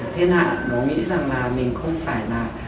thiên hạ nó nghĩ rằng là mình không phải là